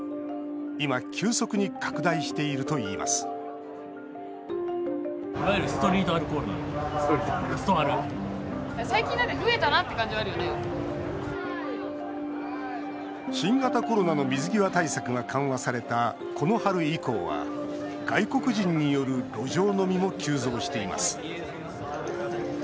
今、急速に拡大しているといいます新型コロナの水際対策が緩和されたこの春以降は外国人による路上飲みも急増しています。